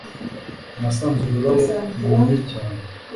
Nasanze ururabo rwumye cyane